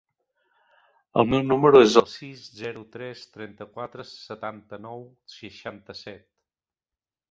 El meu número es el sis, zero, tres, trenta-quatre, setanta-nou, seixanta-set.